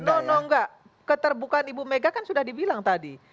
enggak keterbukaan ibu mega kan sudah dibilang tadi